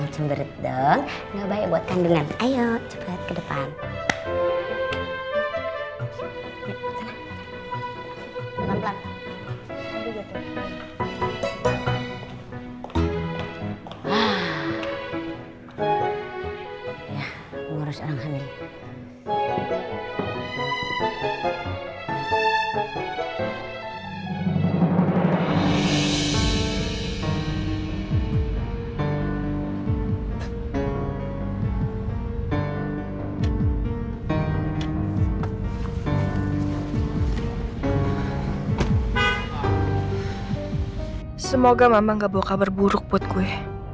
semoga mama gak bawa kabar buruk buat gue